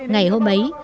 ngày hôm ấy